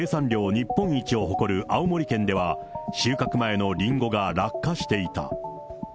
日本一を誇る青森県では、収穫前のりんごが落下していた。